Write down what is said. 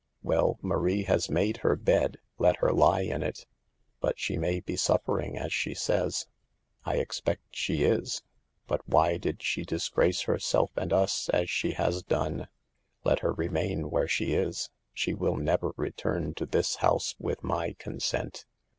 " "Well, Marie has made her bed, let her lie in it." " But she may be suffering as she says." " I expect she is. But why did she dis grace herself and us as she has done. Let her remain where she is. She will never return to this house with my consent."